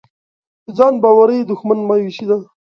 د ځان باورۍ دښمن مایوسي ده.